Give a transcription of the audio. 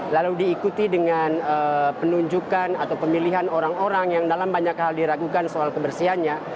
lalu diikuti dengan penunjukan atau pemilihan orang orang yang dalam banyak hal diragukan soal kebersihannya